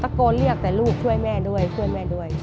โกนเรียกแต่ลูกช่วยแม่ด้วยช่วยแม่ด้วย